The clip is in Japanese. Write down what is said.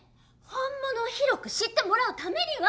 本物を広く知ってもらうためには。